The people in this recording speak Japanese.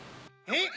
えっ？